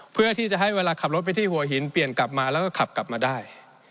เพื่อที่จะให้เวลาขับรถไปที่หัวหินเปลี่ยนกลับมาแล้วก็ขับกลับมาได้